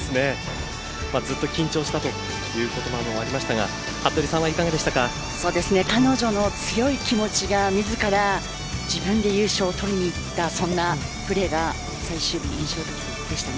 ずっと緊張したという言葉もありましたが彼女の強い気持ちが、自ら自分で優勝を取りにいったそんなプレーが最終日、印象でした。